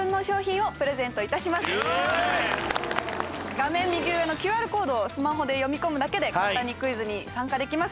画面右上のＱＲコードをスマホで読み込むだけで簡単にクイズに参加できます。